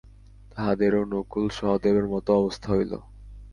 তাঁহাদেরও নকুল সহদেবের মত অবস্থা হইল।